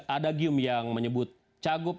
adagium yang menyebut cagup